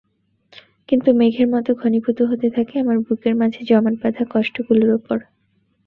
কিন্তু মেঘের মতো ঘনীভূত হতে থাকে আমার বুকের মাঝে জমাটবাঁধা কষ্টগুলোর ওপর।